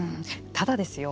ただですよ。